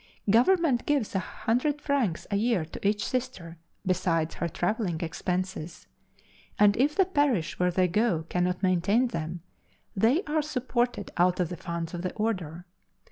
Government gives a hundred francs a year to each Sister, besides her traveling expenses; and if the parish where they go cannot maintain them, they are supported out of the funds of the order.